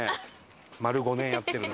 丸５年やってるの。